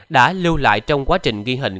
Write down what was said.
đã lưu lại trong quá trình ghi hình